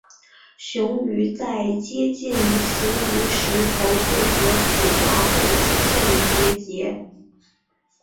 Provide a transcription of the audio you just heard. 雄鱼在接近雌鱼时头部和鳍上会出现结节。